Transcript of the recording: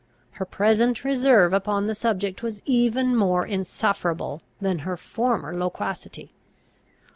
Her present reserve upon the subject was even more insufferable than her former loquacity.